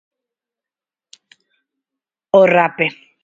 O rape.